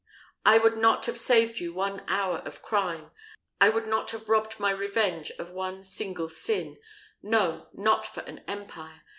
I would not have saved you one hour of crime, I would not have robbed my revenge of one single sin no, not for an empire!